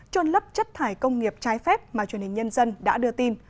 trôn lấp chất thải công nghiệp trái phép mà truyền hình nhân dân đã đưa tin